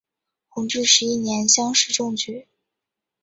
弘治十一年乡试中举。